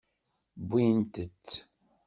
Wwint-t.